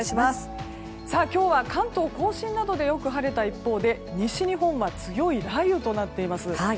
今日は関東・甲信などでよく晴れた一方で西日本は強い雷雨となっています。